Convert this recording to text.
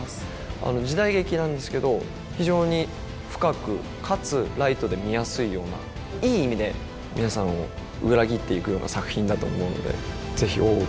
あの時代劇なんですけど非常に深くかつライトで見やすいようないい意味で皆さんを裏切っていくような作品だと思うのでぜひ「大奥」